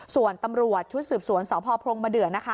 ส่วนตำรวจชุดสืบสวนสพพรงมะเดือนะคะ